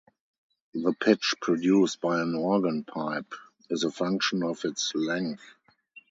The pitch produced by an organ pipe is a function of its length.